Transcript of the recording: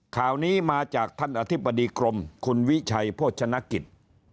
ข่าวนี้มาจากท่านอธิบดีกรมคุณวิชัยโภชนกิจ